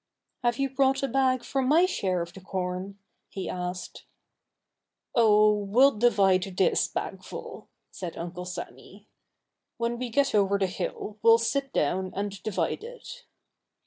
"Have you brought a bag for my share of the corn?" he asked. "Oh, we'll divide this bagful," said Uncle Sammy. "When we get over the hill we'll sit down and divide it."